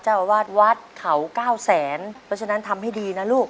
เจ้าอาวาดวัดเขา๙๐๐๐๐๐แล้วฉะนั้นทำให้ดีนะลูก